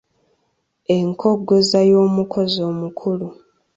Enkongozza y’omukozzi omukulu